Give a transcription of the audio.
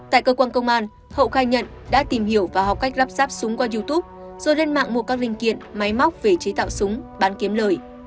tại cơ quan công an hậu khai nhận đã tìm hiểu và học cách lắp ráp súng qua youtube rồi lên mạng mua các linh kiện máy móc về chế tạo súng bán kiếm lời